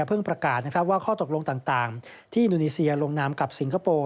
ประกาศว่าข้อตกลงต่างที่อินโดนีเซียลงนามกับสิงคโปร์